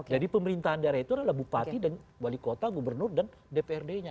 jadi pemerintahan daerah itu adalah bupati dan wali kota gubernur dan dprd nya